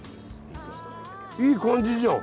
いい感じじゃん！